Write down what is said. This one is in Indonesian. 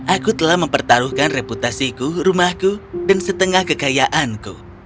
aku telah mempertaruhkan reputasiku rumahku dan setengah kekayaanku